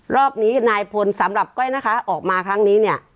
รอบนี้นายพลสำหรับก้อยนะคะออกมาครั้งนี้เนี่ย